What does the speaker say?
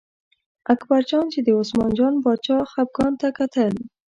اکبرجان چې د عثمان جان باچا خپګان ته کتل.